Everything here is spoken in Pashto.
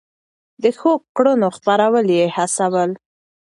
د ښو کړنو خپرول يې هڅول.